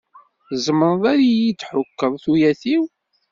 Tzemreḍ ad yi-d-tḥukkeḍ tuyat-iw?